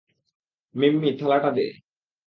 মিম্মি থালাটা দে।